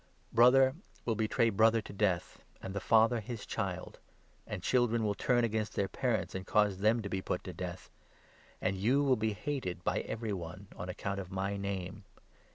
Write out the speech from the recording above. Brother will betray brother to death, and the father his child ; 21 and children will turn against their parents, and cause them to be put to death ; and you will be hated by every one on 22 account of my Name.